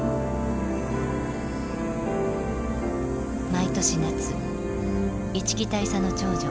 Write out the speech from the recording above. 毎年夏一木大佐の長女